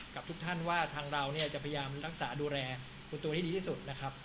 กับทุกท่านว่าทางเราเนี่ยจะพยายามรักษาดูแลคุณตัวให้ดีที่สุดนะครับ